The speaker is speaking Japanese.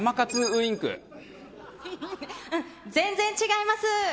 うん、全然違います。